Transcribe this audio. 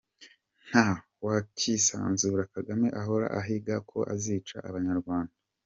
Nta wakwisanzura Kagame ahora ahiga ko azica abanyarwanda!